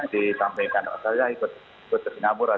disampaikan saya ikut kesinapura